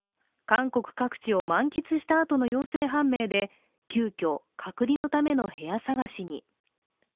韓国各地を満喫したあとの陽性判明で、急きょ、隔離のための部屋探しに。